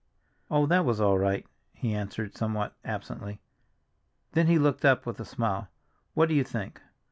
"Oh, that was all right!" he answered somewhat absently. Then he looked up with a smile. "What do you think?